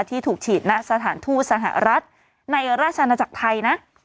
ที่ถูกฉีดณสถานทูตสหรัฐในราชนาจักรไทยนะ